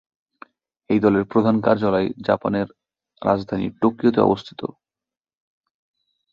এই দলের প্রধান কার্যালয় জাপানের রাজধানী টোকিওতে অবস্থিত।